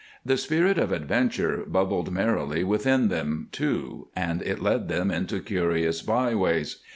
The spirit of adventure bubbled merrily within them, too, and it led them into curious byways.